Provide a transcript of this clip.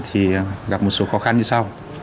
thì gặp một số khó khăn như sau